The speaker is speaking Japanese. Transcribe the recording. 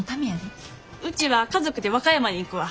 ウチは家族で和歌山に行くわ。